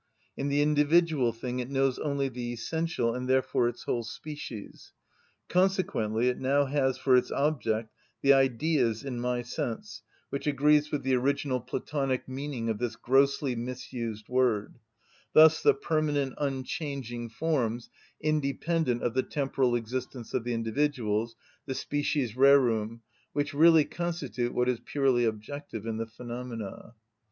In the individual thing it knows only the essential, and therefore its whole species; consequently it now has for its object the Ideas, in my sense, which agrees with the original, Platonic meaning of this grossly misused word; thus the permanent, unchanging forms, independent of the temporal existence of the individuals, the species rerum, which really constitute what is purely objective in the phenomena.